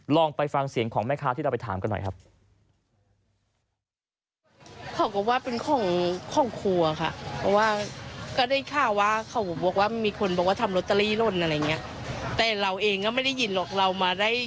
ลองไปฟังเสียงของแม่ค้าที่เราไปถามกันหน่อยครับ